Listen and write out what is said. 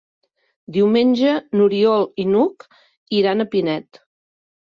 Diumenge n'Oriol i n'Hug iran a Pinet.